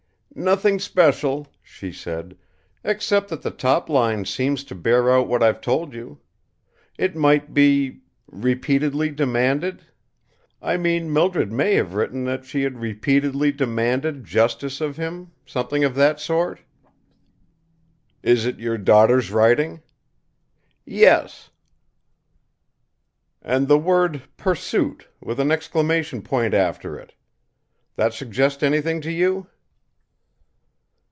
"Nothing special," she said, "except that the top line seems to bear out what I've told you. It might be: 'repeatedly demanded' I mean Mildred may have written that she had repeatedly demanded justice of him, something of that sort." "Is it your daughter's writing?" "Yes." "And the word 'Pursuit,' with an exclamation point after it? That suggest anything to you?"